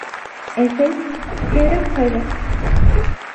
Әсәй, кәрәк ҡайҙа?